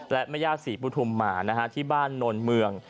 และมะย่าศรีปุฒุมหมาที่บ้านนลเมือง